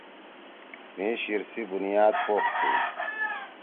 مھی شیِر سی بُنیاد پوخ تُھو۔